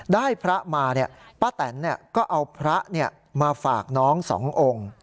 ได้พระมาป้าแตนก็เอาพระมาฝากน้องสององค์